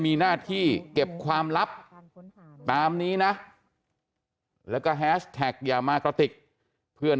มีหน้าที่เก็บความลับตามนี้นะแล้วก็แฮชแท็กอย่ามากระติกเพื่อน